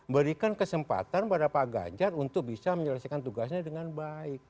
berikan kesempatan pada pak ganjar untuk bisa menyelesaikan tugasnya dengan baik